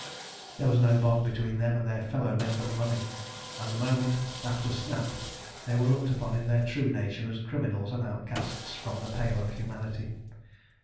There was no bond between them and their fellow men but money, and the moment that was snapped they were looked upon in their true nature as criminals and outcasts from the pale of humanity.